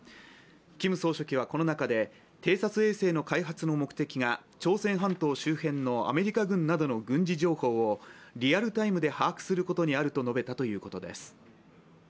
キム総書記はこの中で偵察衛星の開発の目的が朝鮮半島周辺のアメリカ軍などの軍事情報をリアルタイムで把握することにあると述べたということです。